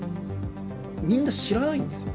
みんな知らないんですよ。